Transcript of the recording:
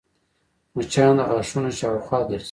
مچان د غاښونو شاوخوا ګرځي